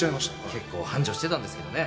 結構繁盛してたんですけどね。